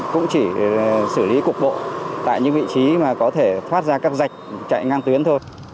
cũng chỉ xử lý cục bộ tại những vị trí mà có thể thoát ra các dạch chạy ngang tuyến thôi